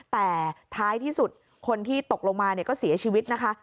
แต่ท้ายที่สุดคนที่ตกลงมาเนี่ยก็เสียชีวิตนะคะ